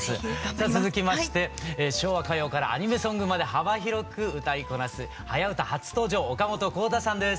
さあ続きまして昭和歌謡からアニメソングまで幅広く歌いこなす「はやウタ」初登場岡本幸太さんです。